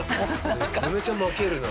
めちゃめちゃまけるな。